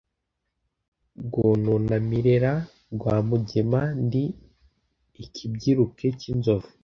Rwononamirera rwa Mugema, ndi ikibyiruke cy'inzovu,